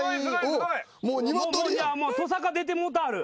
とさか出てもうてある。